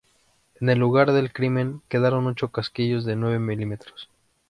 En el lugar del crimen, quedaron ocho casquillos de nueve milímetros.